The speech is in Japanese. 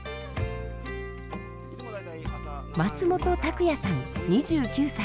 松本拓也さん２９歳。